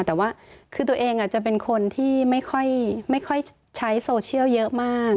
แต่ว่าคือตัวเองจะเป็นคนที่ไม่ค่อยใช้โซเชียลเยอะมาก